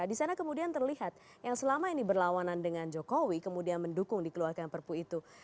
di sana kemudian terlihat yang selama ini berlawanan dengan jokowi kemudian mendukung dikeluarkan perpu itu